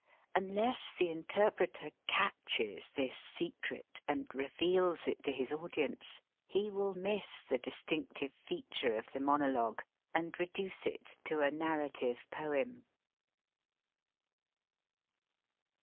Unless the interpreter catches this secret and reveals it to his audience, he will miss the distinctive feature of the monologue and reduce it to a narrative poem.